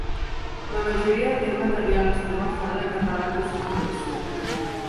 La majoria d'aquest material es troba fora de catàleg o circulació.